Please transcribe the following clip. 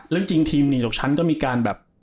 จริงทีมหนีตกชั้นก็มีการแบบ